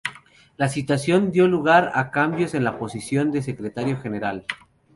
La situación dio lugar a cambios en la posición de Secretario General.